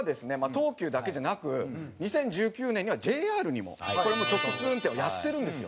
東急だけじゃなく２０１９年にはＪＲにもこれも直通運転をやってるんですよ。